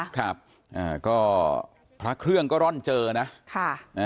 ครับอ่าก็พระเครื่องก็ร่อนเจอนะค่ะ